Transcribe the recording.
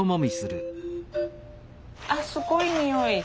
あっすごい匂い。